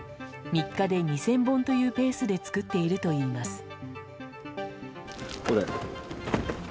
３日で２０００本というペースで作っているといいます。